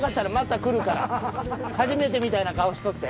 初めてみたいな顔しとって。